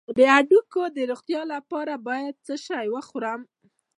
د هډوکو د روغتیا لپاره باید څه شی وخورم؟